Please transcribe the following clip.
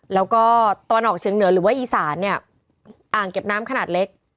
แล้วก็ตะวันออกเชียงเหนือหรือว่าอีสานเนี่ยอ่างเก็บน้ำขนาดเล็ก